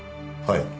はい。